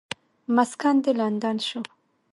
مسکن دې لندن شو.